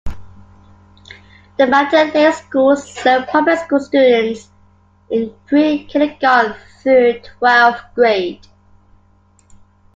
The Mountain Lakes Schools serve public school students in pre-kindergarten through twelfth grade.